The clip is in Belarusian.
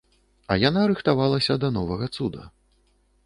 А яна рыхтавалася да новага цуда.